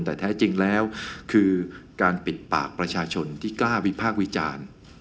แต่แท้จริงแล้วคือการปิดปากประชาชนที่กล้าวิพากษ์วิจารณ์